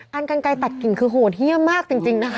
อันกันไกลตัดกิ่งคือโหดเยี่ยมมากจริงนะคะ